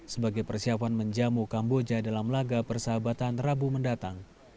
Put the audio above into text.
sebagai persiapan menjamu kamboja dalam laga persahabatan rabu mendatang